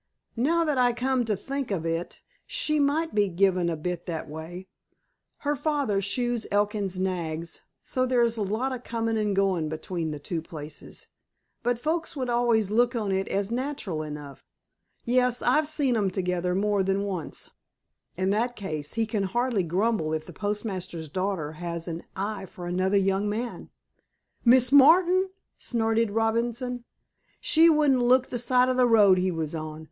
"Now that I come to think of it, she might be given a bit that way. Her father shoes Elkin's nags, so there's a lot of comin' an' goin' between the two places. But folks would always look on it as natural enough. Yes, I've seen 'em together more than once." "In that case, he can hardly grumble if the postmaster's daughter has an eye for another young man." "Miss Martin!" snorted Robinson. "She wouldn't look the side of the road he was on.